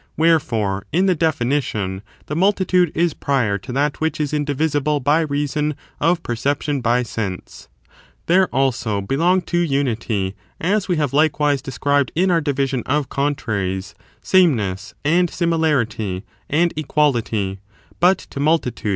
Wherefore, in the definition the multi tude is prior to that which is indivisible by reason of per ception by sense. 2. concomi There also belong to unity — as we have likewise tanu of unity, described in our division of contraries *— same simiiarity, and noss, and similarity, and equality ; but to multi equaiity.